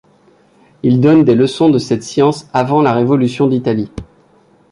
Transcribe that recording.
Il donne des leçons de cette science avant la révolution d'Italie.